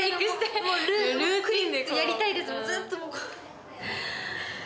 やりたいですずっと。